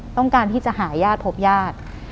ต้องการที่จะหาญาติพบญาติ